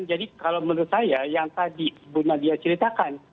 jadi kalau menurut saya yang tadi buna dia ceritakan